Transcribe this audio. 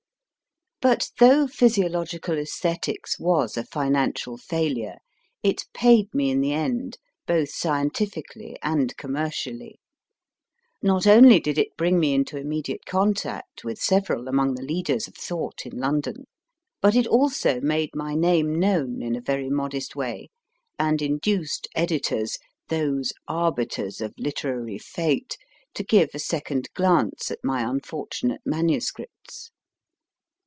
But though Physiological /Esthetics was a financial failure, it paid me in the end, both scientifically and com mercially. Not only did it bring me into immediate contact with several among the leaders of thought in London, but it also made my name known in a very modest way, and induced editors those arbiters of literary fate to give a second glance at my unfortunate manuscripts.